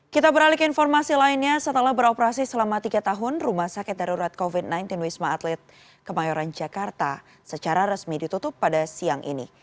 kita beralih ke informasi lainnya setelah beroperasi selama tiga tahun rumah sakit darurat covid sembilan belas wisma atlet kemayoran jakarta secara resmi ditutup pada siang ini